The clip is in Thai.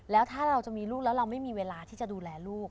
แล้วถ้าเราจะมีลูกแล้วเราไม่มีเวลาที่จะดูแลลูก